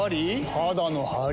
肌のハリ？